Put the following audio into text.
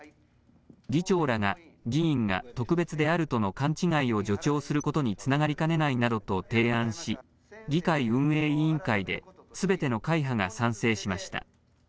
議長らが議員が特別であるとの勘違いを助長することにつながりかねないなどと提案し、議会運営委員会ですべての会派が賛成しました。